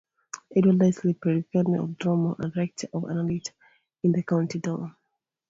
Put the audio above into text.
Edward Leslie, prebendary of Dromore, and rector of Annahilt, in the county of Down.